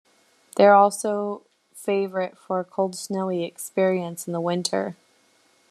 They are also favorite for a cold snowy experience in the winter.